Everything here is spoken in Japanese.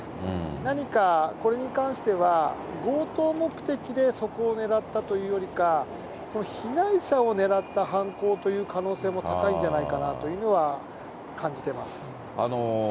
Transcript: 何かこれに関しては、強盗目的でそこを狙ったというよりか、この被害者を狙った犯行という可能性も高いんじゃないかなというのは感じてます。